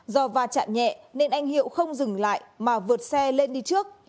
do va chạm nhẹ nên anh hiệu không dừng lại mà vượt xe lên đi trước